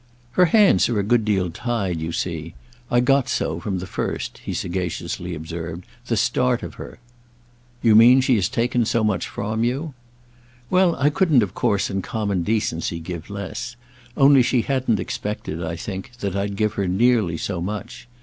"Her hands are a good deal tied, you see. I got so, from the first," he sagaciously observed, "the start of her." "You mean she has taken so much from you?" "Well, I couldn't of course in common decency give less: only she hadn't expected, I think, that I'd give her nearly so much.